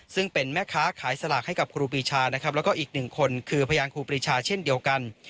ซึ่งเป็นแม่ค้าขายสลากให้กับครูปีชานะครับแล้วก็อีกหนึ่งคนคือพยานครูปรีชาเช่นเดียวกัน